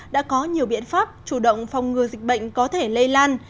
đã có nhiều biện pháp chủ động phòng ngừa dịch bệnh có thể lây lan